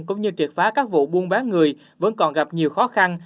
cũng như triệt phá các vụ buôn bán người vẫn còn gặp nhiều khó khăn